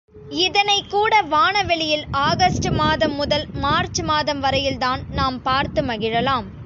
இதனைக் கூட வான வெளியில் ஆகஸ்டு மாதம் முதல் மார்ச்சு மாதம் வரையில் தான் நாம் பார்த்து மகிழலாம்.